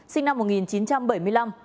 sinh năm một nghìn